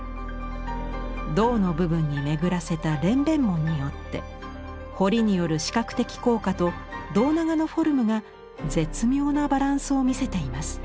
胴の部分に巡らせた蓮弁文によって彫りによる視覚的効果と胴長のフォルムが絶妙なバランスを見せています。